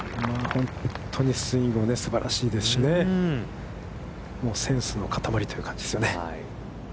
本当にスイングもすばらしいですしね、センスの塊という感じですよね。